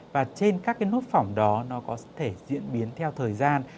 và trên các nốt phỏng đó nó có thể diễn biến theo thời gian